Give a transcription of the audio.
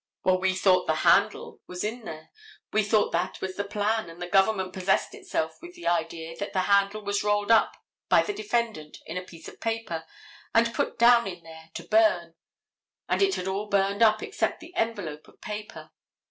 Well, we thought the handle was in there. We thought that was the plan that the government possessed itself with the idea that that handle was rolled up by the defendant in a piece of paper and put down in there to burn; and it had all burned up except the envelope of paper.